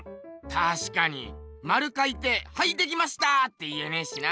たしかにまるかいてはいできましたって言えねえしな。